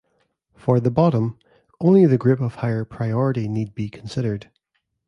For the bottom, only the group of higher priority need be considered.